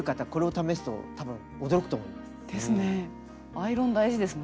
アイロン大事ですね。